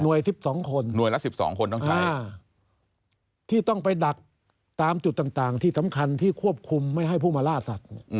๑๒คนหน่วยละ๑๒คนต้องใช้ที่ต้องไปดักตามจุดต่างที่สำคัญที่ควบคุมไม่ให้ผู้มาล่าสัตว์